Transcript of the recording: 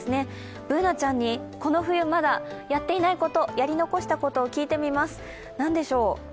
Ｂｏｏｎａちゃんにこの冬まだやっていないこと、やり残したことを聞いてみます、何でしょう？